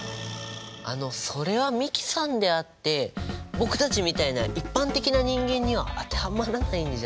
あのそれは美樹さんであって僕たちみたいな一般的な人間には当てはまらないんじゃ。